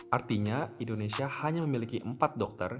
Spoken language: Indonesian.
artinya indonesia hanya memiliki empat dokter